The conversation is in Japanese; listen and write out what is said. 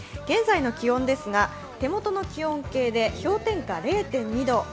現在の気温ですが手元の気温計で氷点下０．２度。